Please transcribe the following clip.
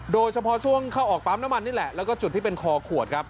โดยเฉพาะช่วงเข้าออกปั๊มน้ำมันนี่แหละแล้วก็จุดที่เป็นคอขวดครับ